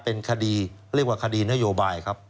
เป็นคดีเรียกว่าคดีนโยบายครับ